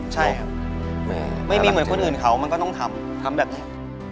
ใช่ครับไม่มีเหมือนคนอื่นเขามันก็ต้องทำทำแบบนี้